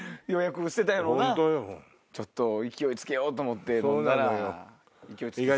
ちょっと勢いつけようと思って飲んだら勢いつき過ぎた。